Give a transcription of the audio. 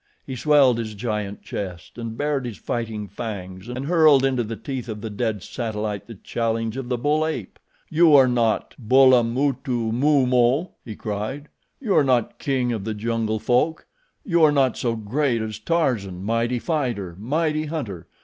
He swelled his giant chest and bared his fighting fangs, and hurled into the teeth of the dead satellite the challenge of the bull ape. "You are not Bulamutumumo," he cried. "You are not king of the jungle folk. You are not so great as Tarzan, mighty fighter, mighty hunter.